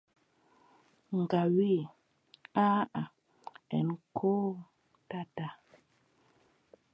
Nga wii: aaʼa en kootataa.